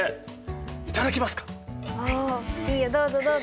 あいいよどうぞどうぞ。